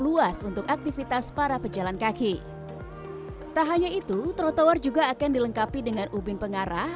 luas untuk aktivitas para pejalan kaki tak hanya itu trotoar juga akan dilengkapi dengan ubin pengarah